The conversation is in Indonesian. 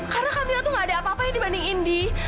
karena kamila tuh gak ada apa apanya dibanding indi